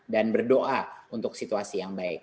dan berdoa untuk situasi yang baik